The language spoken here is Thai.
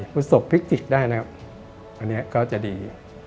ประสบพลิกจิกได้นะครับอันนี้ก็จะดี